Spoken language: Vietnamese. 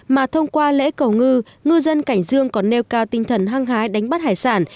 mà thông qua lễ cầu ngư dân cảnh dương còn nêu cao tinh thần hăng hái đánh bắt hải sản